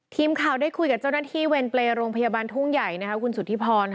ทีมข่าวได้คุยกับเจ้าหน้าที่เวรเปรย์โรงพยาบาลทุ่งใหญ่คุณสุธิพร